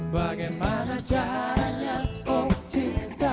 bagaimana caranya oh cinta